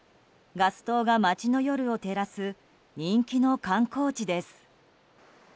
ガス灯が街の夜を照らす人気の観光地です。